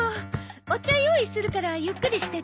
お茶用意するからゆっくりしてって。